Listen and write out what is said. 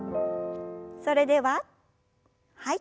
それでははい。